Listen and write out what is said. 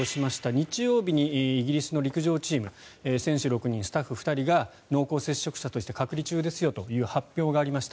日曜日にイギリスの陸上チーム選手６人、スタッフ２人が濃厚接触者として隔離中ですよという発表がありました。